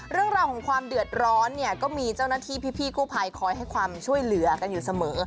เรื่องราวของความเดือดร้อนเนี่ยก็มีเจ้าหน้าที่พี่กู้ภัยคอยให้ความช่วยเหลือกันอยู่เสมอ